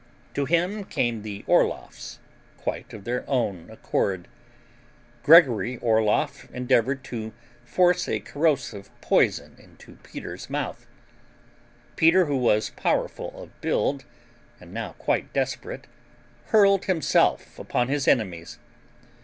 To him came the Orloffs, quite of their own accord. Gregory Orloff endeavored to force a corrosive poison into Peter's mouth. Peter, who was powerful of build and now quite desperate, hurled himself upon his enemies.